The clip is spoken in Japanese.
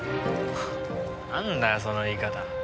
なんだよその言い方。